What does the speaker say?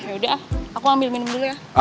yaudah aku ambil minum dulu ya